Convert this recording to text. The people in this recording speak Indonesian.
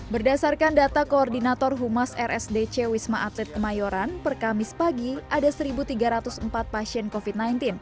berdasarkan data koordinator humas rsdc wisma atlet kemayoran perkamis pagi ada satu tiga ratus empat pasien covid sembilan belas